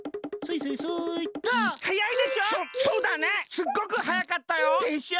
すっごくはやかったよ。でしょ？